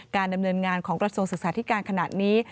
การดำเนินงานของกระโสศึกษาที่การขนาดนี้